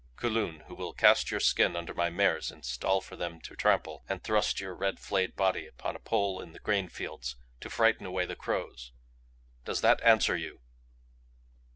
Kulun who will cast your skin under my mares in stall for them to trample and thrust your red flayed body upon a pole in the grain fields to frighten away the crows! Does that answer you?"